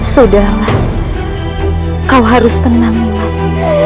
sudahlah kau harus tenang nih mas